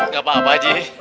gak apa apa pak haji